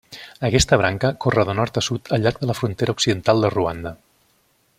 Aquesta branca corre de nord a sud al llarg de la frontera occidental de Ruanda.